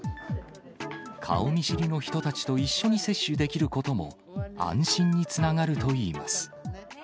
顔見知りの人たちと一緒に接種できることも、安心につながるといいます。